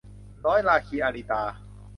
ร้อยราคี - อาริตา